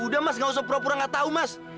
udah mas gak usah pura pura nggak tahu mas